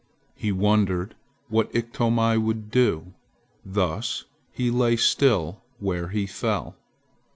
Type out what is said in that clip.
He wondered what Iktomi would do, thus he lay still where he fell.